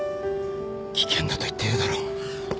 危険だと言っているだろう。